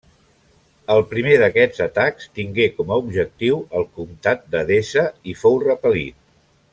El primer d'aquests atacs tingué com a objectiu el Comtat d'Edessa i fou repel·lit.